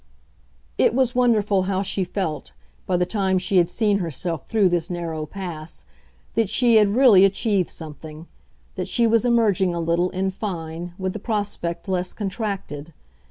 It was wonderful how she felt, by the time she had seen herself through this narrow pass, that she had really achieved something that she was emerging a little, in fine, with the prospect less contracted.